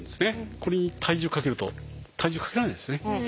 これに体重かけると体重かけられないですね。